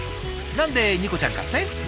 何でニコちゃんかって？